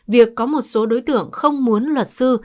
việc có một số đối tượng không muốn luật sư